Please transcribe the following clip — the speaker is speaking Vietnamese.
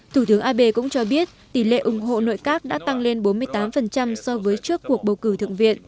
thủ tướng abe cũng cho biết tỷ lệ ủng hộ nội các đã tăng lên bốn mươi tám so với trước cuộc bầu cử thượng viện